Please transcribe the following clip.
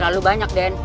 terlalu banyak den